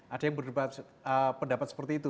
ada yang berpendapat seperti itu